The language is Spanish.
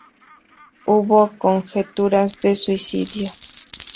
Hubo conjeturas de suicidio.